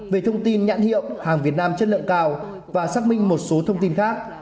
về thông tin nhãn hiệu hàng việt nam chất lượng cao và xác minh một số thông tin khác